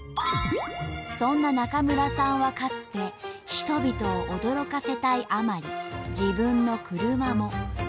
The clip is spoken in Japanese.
そんな中村さんはかつて人々を驚かせたいあまり自分の車も。